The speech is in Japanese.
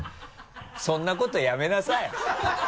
そんなことやめなさい。